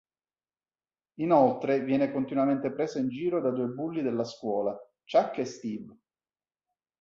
Inoltre viene continuamente presa in giro da due bulli della scuola Chuck e Steve.